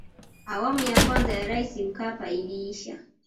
awamu ya kwanza ya raisi mkapa iliisha